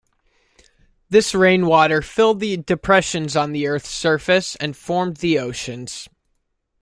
This rain water filled the depressions on the Earth's surface and formed the oceans.